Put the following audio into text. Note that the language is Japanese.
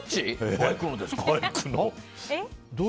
バイクの。